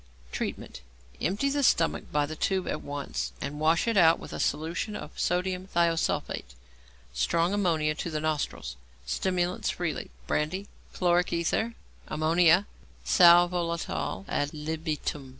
Treatment. Empty the stomach by the tube at once, and wash it out with a solution of sodium thiosulphate. Strong ammonia to the nostrils. Stimulants freely brandy, chloric ether, ammonia, sal volatile ad libitum.